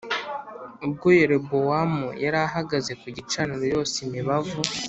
Ubwo Yerobowamu yari ahagaze ku gicaniro yosa imibavu